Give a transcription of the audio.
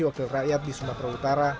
wakil rakyat di sumatera utara